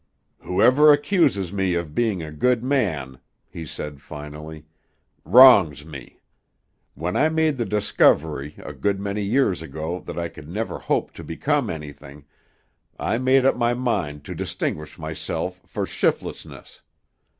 "Whoever accuses me of being a good man," he said finally, "wrongs me. When I made the discovery a good many years ago that I could never hope to become anything, I made up my mind to distinguish myself for shiftlessness.